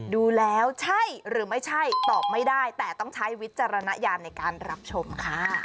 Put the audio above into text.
ดูแล้วใช่หรือไม่ใช่ตอบไม่ได้แต่ต้องใช้วิจารณญาณในการรับชมค่ะ